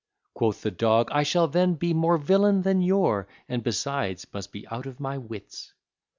Quoth the dog, I shall then be more villain than you're, And besides must be out of my wits.